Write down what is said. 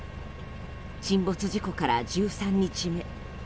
沈没事故から１３日目。